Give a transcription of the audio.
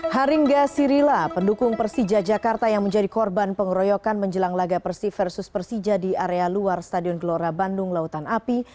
haringga sirila pendukung persija jakarta yang menjadi korban pengeroyokan menjelang laga persi versus persija di area luar stadion gelora bandung lautan api